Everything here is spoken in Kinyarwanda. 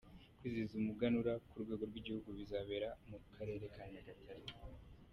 kwizihiza umuganura ku rwego rw’ igihugu, bizabera mu karere ka Nyagatare.